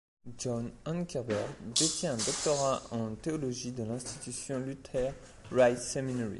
John Ankerberg détient un doctorat en théologie de l'institution Luther Rice Seminary.